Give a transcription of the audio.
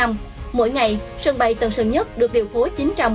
mỗi ngày sân bay tầng sân nhất được điều phối